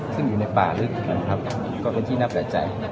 ซึ่งอยู่ในป่าลึกคือก็เป็นที่นับตะใจ